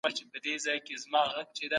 د بیان ازادي د پرمختګ نښه ده.